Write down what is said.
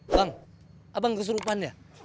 bang abang kesurupan ya